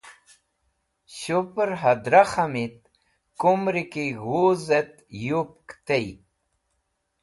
Shupẽr hadra khamit kumri ki g̃huzẽt yupk tey.